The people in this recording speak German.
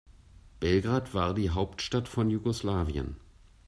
Belgrad war die Hauptstadt von Jugoslawien.